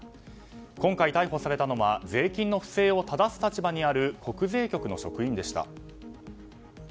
今回逮捕されたのは税金の不正をただす立場にある国税局の職員でした。